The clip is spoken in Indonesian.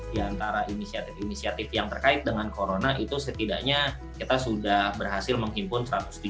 di antara inisiatif inisiatif yang terkait dengan corona itu setidaknya kita sudah berhasil menghimpun